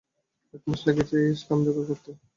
এক মাস লেগেছে এই স্ট্যাম্প যোগাড় করতে!